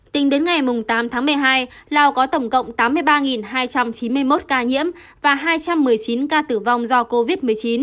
tính đến ngày tám tháng một mươi hai lào có tổng cộng tám mươi ba hai trăm chín mươi một ca nhiễm và hai trăm một mươi chín ca tử vong do covid một mươi chín